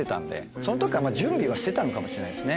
その時から準備はしてたのかもしれないですね。